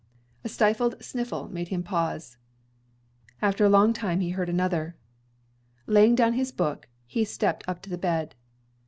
A stifled sniffle made him pause. After a long time he heard another. Laying down his book, he stepped up to the bed.